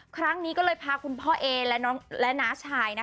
ครั้งนี้ก็เลยพาคุณพ่อเอและน้าชาย